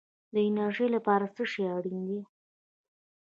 د انرژۍ لپاره څه شی اړین دی؟